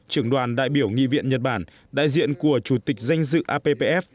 trưởng đoàn đại biểu nghị viện nhật bản đại diện của chủ tịch danh dự appf